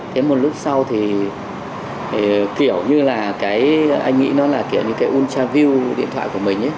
thế một lúc sau thì kiểu như là cái anh nghĩ nó là kiểu như cái ultraview điện thoại của mình ấy